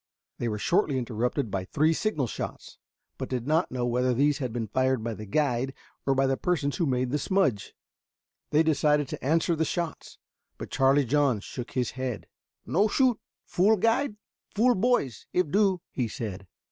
They were shortly interrupted by three signal shots, but did not know whether these had been fired by the guide or by the persons who had made the smudge. They decided to answer the shots, but Charlie John shook his head. "No shoot. Fool guide, fool boys if do," he said.